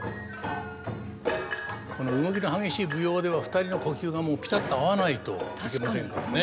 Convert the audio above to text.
この動きの激しい舞踊では２人の呼吸がピタッと合わないといけませんからね。